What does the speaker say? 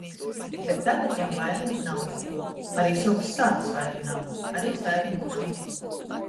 Bet tagad jam vaira nav nikuo. Ari sovys sātys vaira nav, ari saimis nav.